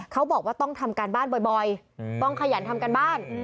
เขาบอกว่าต้องทำการบ้านบ่อยต้องขยันทำการบ้าน